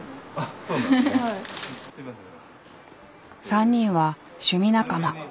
３人は趣味仲間。